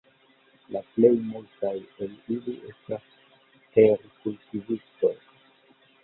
La plej multaj el ili estas terkultivistoj.